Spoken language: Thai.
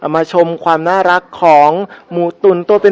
มาชมความน่ารักของหมูตุ๋นตัวเป็น